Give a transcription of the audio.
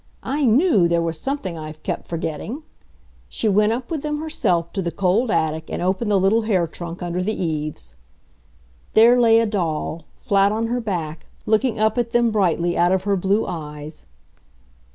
I KNEW there was something I've kept forgetting!" She went up with them herself to the cold attic and opened the little hair trunk under the eaves. There lay a doll, flat on her back, looking up at them brightly out of her blue eyes.